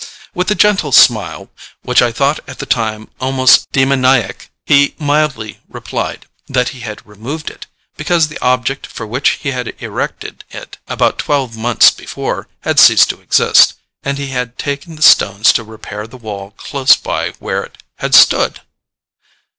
With a gentle smile, which I thought at the time almost demoniac, he mildly replied, that he had removed it, because the object for which he had erected it, about twelve months before, had ceased to exist, and he had taken the stones to repair the wall close by where it had stood!